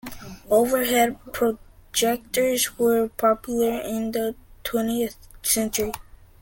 Overhead projectors were popular in the twentieth century.